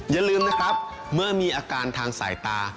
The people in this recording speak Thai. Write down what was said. อย่าลืมนะครับเมื่อมีอาการทางสายตา